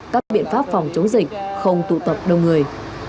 các biện pháp phòng chống dịch không tụ tập đông người